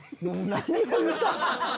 何を言うとん？